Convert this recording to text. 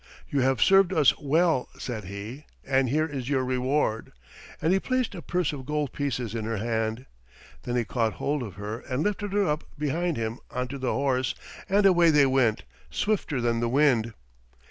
"You have served us well," said he, "and here is your reward," and he placed a purse of gold pieces in her hand. Then he caught hold of her and lifted her up behind him on to the horse, and away they went, swifter than the wind.